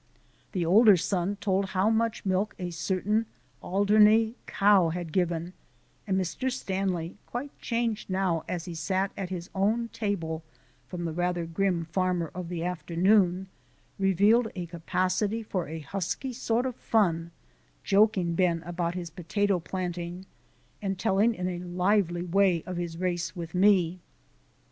The older son told how much milk a certain Alderney cow had given, and Mr. Stanley, quite changed now as he sat at his own table from the rather grim farmer of the afternoon, revealed a capacity for a husky sort of fun, joking Ben about his potato planting and telling in a lively way of his race with me.